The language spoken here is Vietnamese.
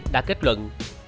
đã kết luận